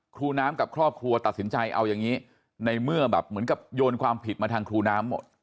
ครูน้ำกับครอบครัวตัดสินใจเอาอย่างนี้ในเมื่อแบบเหมือนกับโยนความผิดมาทางครูน้ำหมด